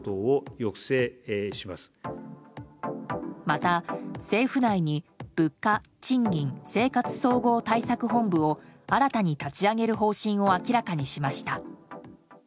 また、政府内に物価・賃金・生活総合対策本部を新たに立ち上げる方針を明らかにしました。